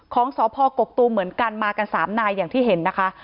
ของสพกกตูมเหมือนกันมากัน๓นายอย่างที่เห็นนะคะ